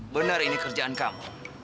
benar ini kerjaan kamu